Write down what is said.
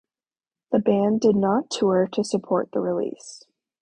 The band did not tour to support the release.